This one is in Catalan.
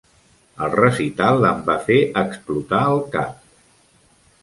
El recital em va fer explotar el cap.